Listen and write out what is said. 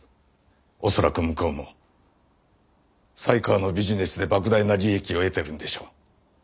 恐らく向こうも犀川のビジネスで莫大な利益を得てるんでしょう。